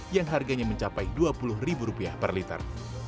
yang harganya mencapai dua puluh ribu rupiah per liter